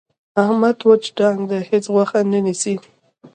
احمد وچ ډانګ دی. هېڅ غوښه نه نیسي.